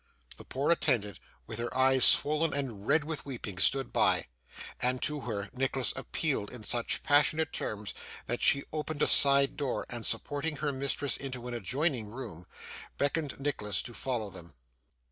The poor attendant, with her eyes swollen and red with weeping, stood by; and to her Nicholas appealed in such passionate terms that she opened a side door, and, supporting her mistress into an adjoining room, beckoned Nicholas to follow them.